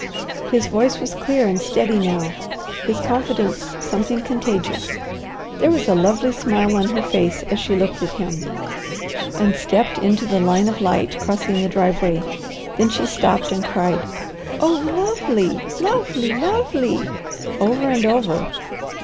His voice was clear and steady now, his confidence something contagious. There was a lovely smile on her face as she looked at him, and stepped into the line of light crossing the driveway; and then she stopped and cried, "Oh lovely! Lovely! Lovely!" over and over.